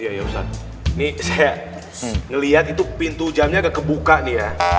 iya ustadz nih saya ngelihat itu pintu jamnya agak kebuka nih ya